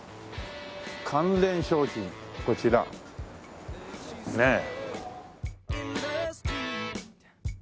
「関連商品こちら」ねえ。